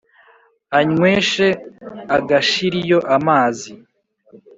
anyweshe agas hirio amazi